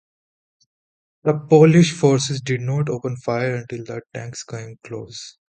The Polish forces did not open fire until the tanks came close.